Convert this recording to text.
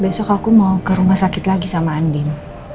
besok aku mau ke rumah sakit lagi sama andin